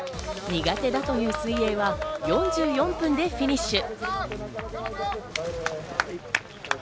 苦手だという水泳は４４分でフィニッシュ。